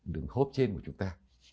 đường hốp trên của chúng ta